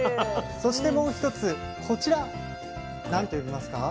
そしてもう１つこちら何と呼びますか？